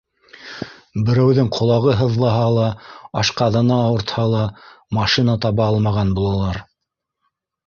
Берәүҙең ҡолағы һыҙлаһа ла, ашҡаҙаны ауыртһа ла машина таба алмаған булалар.